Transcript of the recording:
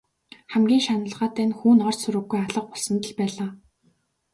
Хамгийн шаналгаатай нь хүү ор сураггүй алга болсонд л байлаа.